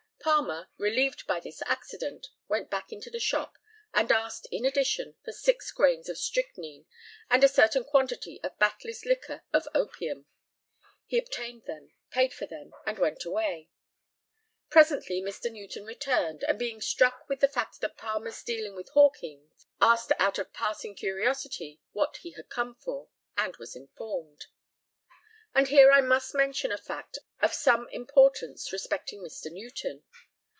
Palmer, relieved by this accident, went back into the shop, and asked, in addition, for six grains of strychnine and a certain quantity of Batley's liquor of opium. He obtained them, paid for them, and went away. Presently Mr. Newton returned, and being struck with the fact of Palmer's dealing with Hawkings, asked out of passing curiosity what he had come for, and was informed. And here I must mention a fact of some importance respecting Mr. Newton.